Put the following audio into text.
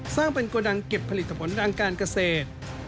สร้างเป็นโกดังเก็บผลิตผลทางการเกษตร